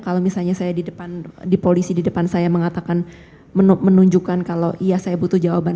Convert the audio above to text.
kalau misalnya saya di depan di polisi di depan saya mengatakan menunjukkan kalau iya saya butuh jawaban